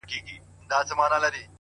انار ګل د ارغنداو پر بګړۍ سپور سو-